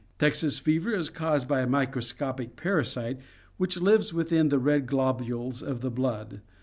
... Texas ' fever is caused by a microscopic parasite, which lives within the red globules of the blood.